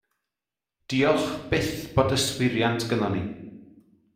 Diolch byth bod yswiriant gynnon ni.